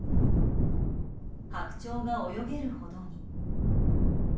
ハクチョウが泳げるほどに。